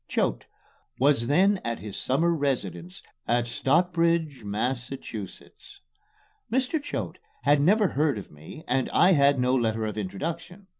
Choate was then at his summer residence at Stockbridge, Massachusetts. Mr. Choate had never heard of me and I had no letter of introduction.